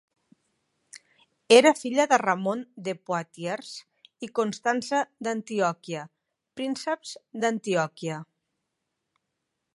Era filla de Ramon de Poitiers i Constança d'Antioquia, prínceps d'Antioquia.